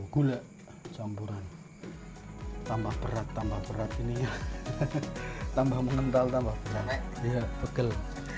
gula campuran hai tambah berat tambah berat ini ya tambah mengental tambah berat ya pegel